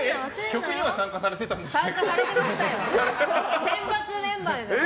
曲には参加されてたんでしたっけ？